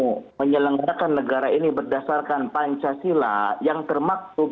kalau saya serius mau menyelenggarakan negara ini berdasarkan pancasila yang termaktub